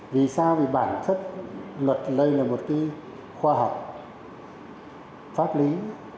vì sao vì bản thân luật lây là một cái khoa học pháp lý